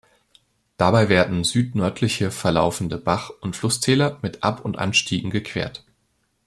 Dabei werden die süd-nördlich verlaufenden Bach- und Flusstäler mit Ab- und Anstiegen gequert.